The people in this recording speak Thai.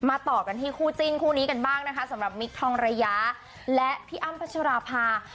ต่อกันที่คู่จิ้นคู่นี้กันบ้างนะคะสำหรับมิคทองระยะและพี่อ้ำพัชราภา